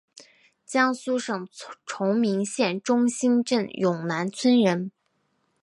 江苏省崇明县中兴镇永南村人。